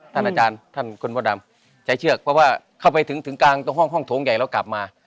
อาจารย์ท่านคุณพ่อดำใช้เชือกเพราะว่าเข้าไปถึงถึงกลางตรงห้องห้องโถงใหญ่แล้วกลับมา